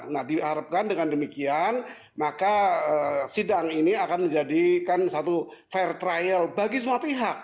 nah diharapkan dengan demikian maka sidang ini akan menjadikan satu fair trial bagi semua pihak